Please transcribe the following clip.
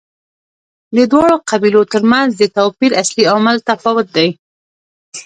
د دواړو قبیلو ترمنځ د توپیر اصلي عامل تفاوت دی.